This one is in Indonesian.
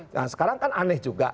nah sekarang kan aneh juga